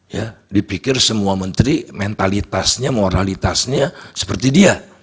ya dipikir semua menteri mentalitasnya moralitasnya seperti dia